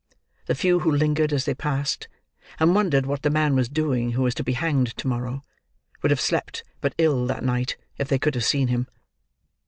The few who lingered as they passed, and wondered what the man was doing who was to be hanged to morrow, would have slept but ill that night, if they could have seen him.